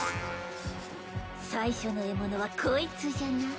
最初の獲物はこいつじゃな。